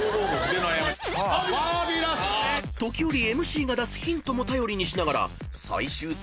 ［時折ＭＣが出すヒントも頼りにしながら最終的に］